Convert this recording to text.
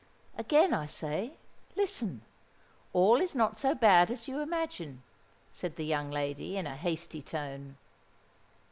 "Again I say, listen. All is not so bad as you imagine," said the young lady, in a hasty tone.